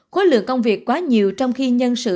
khối lượng công việc quá nhiều trong khi nhân sự